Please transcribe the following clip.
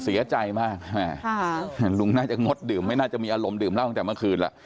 เสียใจมากลุงน่าจะงดดื่มไม่น่าจะมีอารมณ์ดื่มเหล้าตั้งแต่เมื่อคืนแล้ว